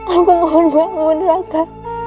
aku mohon bangun raka